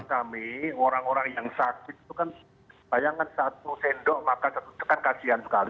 ini orang orang yang sakit itu kan bayangan satu sendok makan satu sendok kan kasihan sekali